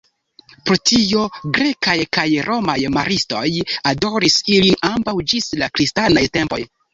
Pro tio grekaj kaj romaj maristoj adoris ilin ambaŭ ĝis la kristanaj tempoj.